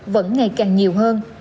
vẫn ngày càng nhiều hơn